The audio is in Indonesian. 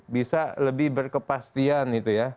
bisa lebih berkepastian